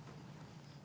tags kasih kita